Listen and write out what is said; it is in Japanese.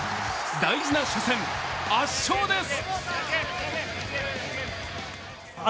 大事な初戦、圧勝です！